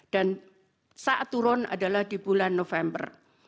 dan saat turun adalah di bulan november